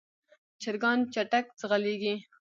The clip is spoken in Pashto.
چرګان چټک ځغلېږي.